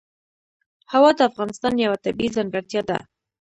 هوا د افغانستان یوه طبیعي ځانګړتیا ده.